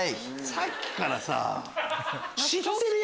さっきからさ。